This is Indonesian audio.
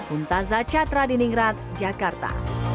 untazah chathra di ningrat jakarta